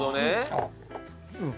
あっうん！